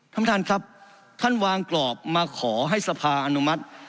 ท่านประธานครับท่านวางกรอบมาขอให้สภาอนุมัติ